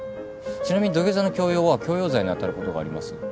ちなみに土下座の強要は強要罪に当たることがあります。